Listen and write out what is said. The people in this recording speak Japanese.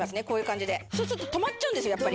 こういう感じでそうすると止まっちゃうんですよ